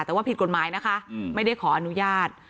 แต่ว่าผิดกฎหมายนะคะไม่ได้ขออนุญาต